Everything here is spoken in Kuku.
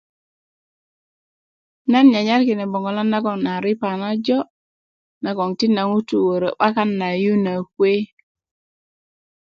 nan nyanyar kine bogolan nagon a ripa na jo nagon tinda ŋutu' wöró 'bakan na yu na kuwe